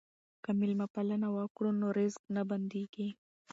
که مېلمه پالنه وکړو نو رزق نه بندیږي.